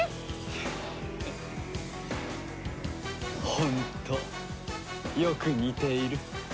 ホントよく似ている。